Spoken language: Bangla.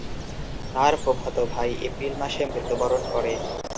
তার ফুফাতো ভাই এপ্রিল মাসে মৃত্যুবরণ করে।